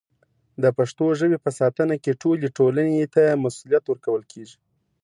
د پښتو ژبې په ساتنه کې ټولې ټولنې ته مسوولیت ورکول کېږي.